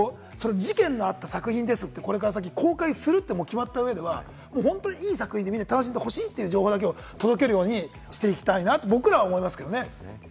事件のあった作品ですって、これから先、公開するって決まったうえでは、いい作品で楽しんでほしいという情報だけを届けるようにしていきたいなと僕らは思いますね。